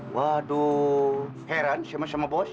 waduh heran sama sama bos